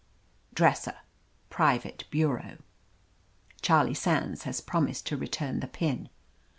Dresser. Private Bureau." Charlie Sands has promised to return the pin.